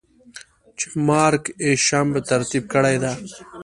چې Mark Isham ترتيب کړې ده.